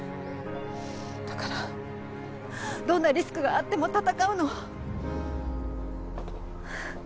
だからどんなリスクがあっても闘うの。